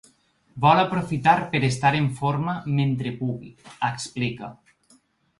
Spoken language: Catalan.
Vol aprofitar per estar en forma mentre pugui, explica.